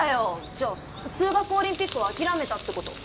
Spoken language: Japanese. じゃあ数学オリンピックは諦めたってこと？